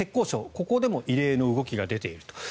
ここでも異例の動きが出ていると。